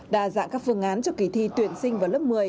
đa dạng các phương án cho kỳ thi tuyển sinh vào lớp một mươi